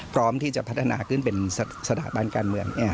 พร้อมที่จะพัฒนาขึ้นเป็นสถาบันการเมือง